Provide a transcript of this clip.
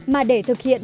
mà để thực hiện